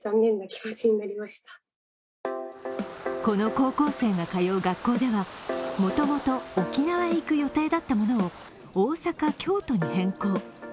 この高校生が通う学校では、もともと沖縄へ行く予定だったものを大阪、京都に変更。